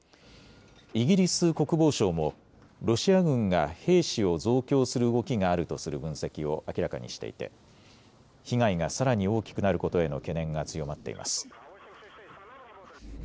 イギリス国防省もロシア軍が兵士を増強する動きがあるとする分析を明らかにしていて被害がさらに大きくなることへの懸念が強まっています。